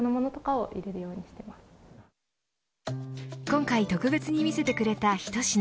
今回特別に見せてくれた一品。